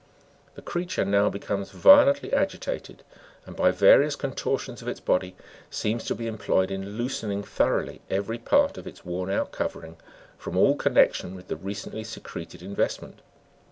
The creature now becomes violently agitated, and by various contortions of its body seems to be employed in loosening thoroughly every part of its worn out covering, from all connection with the recently secreted investment.